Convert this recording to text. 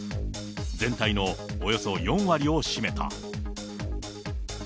全体のおよそ４割を占めた。